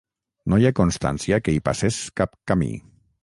No hi ha constància que hi passés cap camí.